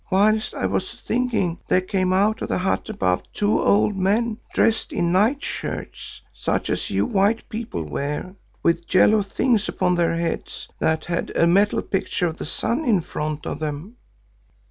Whilst I was thinking, there came out of the hut above two old men dressed in night shirts, such as you white people wear, with yellow things upon their heads that had a metal picture of the sun in front of them."